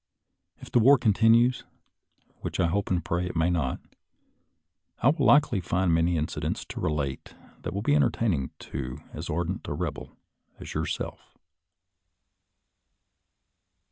If the war continues — ^which I hope and pray it may not — I will likely find many incidents to relate that will be entertaining to as ardent a Eebel as yourself.